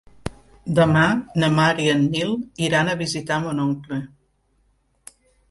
Demà na Mar i en Nil iran a visitar mon oncle.